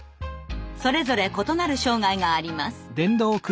それぞれ異なる障害があります。